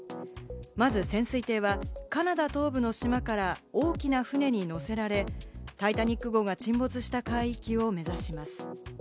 まず潜水艇はカナダ東部の島から大きな船に乗せられ、タイタニック号が沈没した海域を目指します。